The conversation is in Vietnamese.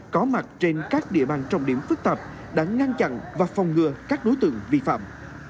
có mặt trên các địa bàn trọng điểm phức tạp đã ngăn chặn và phòng ngừa các đối tượng vi phạm